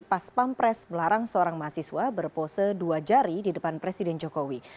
pas pampres melarang seorang mahasiswa berpose dua jari di depan presiden jokowi